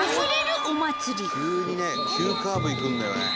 急にね急カーブいくんだよね。